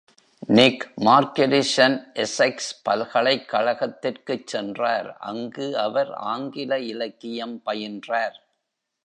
நிக் Margerison Essex பல்கலைக்கழகத்திற்குச் சென்றார், அங்கு அவர் ஆங்கில இலக்கியம் பயின்றார்.